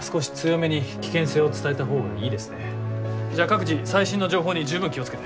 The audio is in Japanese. じゃあ各自最新の情報に十分気を付けて。